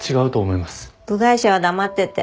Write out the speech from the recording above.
部外者は黙ってて。